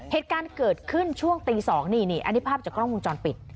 เหตุการณ์เกิดขึ้นช่วงตี๒นี่นี่อันนี้ภาพจากกล้องวงจรปิด